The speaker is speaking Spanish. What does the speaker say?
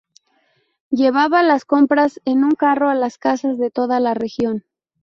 Llevaba las compras en un carro a las casas de toda la región.